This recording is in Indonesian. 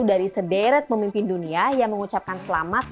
dari sederet pemimpin dunia yang mengucapkan selamat